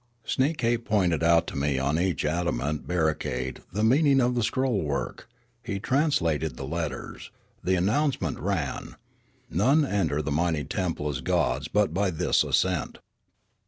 Sneekape pointed out to me on each adamant barricade the meaning of the scrollwork ; he translated the letters ; the announcement ran :'' None enter the mighty tem ple as gods but by this ascent."